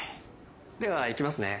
ではいきますね